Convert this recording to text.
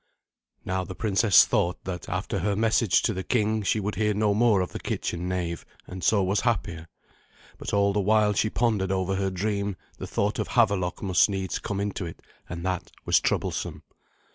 Now the princess thought that, after her message to the king, she would hear no more of the kitchen knave, and so was happier. But all the while she pondered over her dream the thought of Havelok must needs come into it, and that was troublesome.